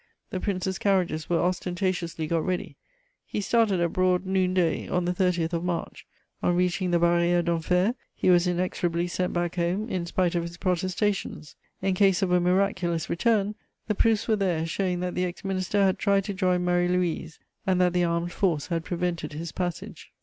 The prince's carriages were ostentatiously got ready; he started at broad noon day, on the 30th of March: on reaching the Barrière d'Enfer, he was inexorably sent back home, in spite of his protestations. In case of a miraculous return, the proofs were there showing that the ex minister had tried to join Marie Louise and that the armed force had prevented his passage.